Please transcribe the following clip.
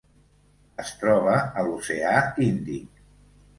Es troba a l'oceà Índic: